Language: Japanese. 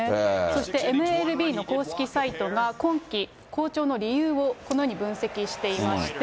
そしてＭＬＢの公式サイトが、今季好調の理由をこのように分析していまして。